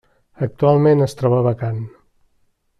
Actualment es troba vacant.